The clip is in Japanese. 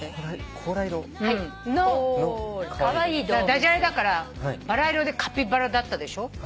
ダジャレだからバラ色でカピバラだったでしょ。